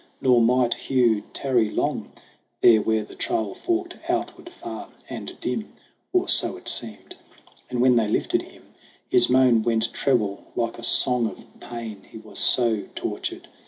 Nor might Hugh tarry long There where the trail forked outward far and dim ; Or so it seemed. And when they lifted him, His moan went treble like a song of pain, He was so tortured.